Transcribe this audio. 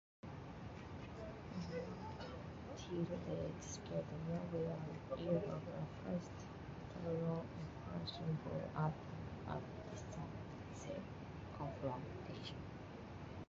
Baratieri spent nearly a year of the First Italo-Ethiopian War evading a decisive confrontation.